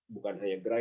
bukan hanya gerai